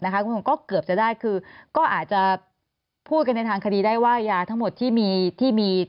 คือถ้ามันเป็นไปตามนี้